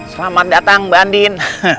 selamat datang mbak andin